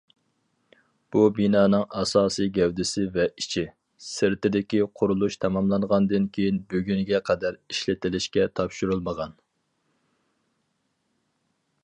بۇ بىنانىڭ ئاساسىي گەۋدىسى ۋە ئىچى، سىرتىدىكى قۇرۇلۇش تاماملانغاندىن كېيىن بۈگۈنگە قەدەر ئىشلىتىلىشكە تاپشۇرۇلمىغان.